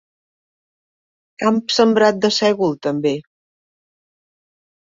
Camp sembrat de sègol, també.